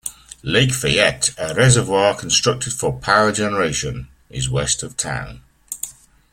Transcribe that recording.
Lake Fayette, a reservoir constructed for power generation, is west of town.